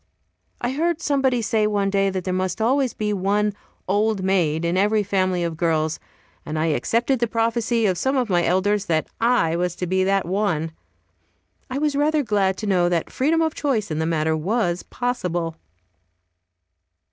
I heard somebody say one day that there must always be one "old maid" in every family of girls, and I accepted the prophecy of some of my elders, that I was to be that one. I was rather glad to know that freedom of choice in the matter was possible.